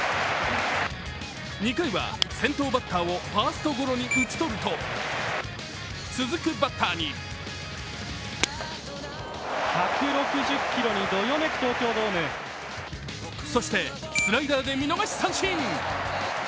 ２回は先頭バッターをファーストゴロに打ち取ると続くバッターにそしてスライダーで見逃し三振。